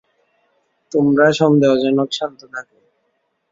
তোমরা সন্দেহজনক শান্ত থাকো!